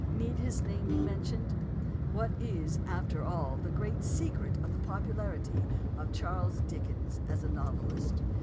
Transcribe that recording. Need his name be mentioned? What is, after all, the great secret of the popularity of Charles Dickens as a novelist?